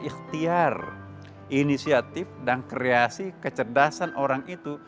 ikhtiar inisiatif dan kreasi kecerdasan orang itu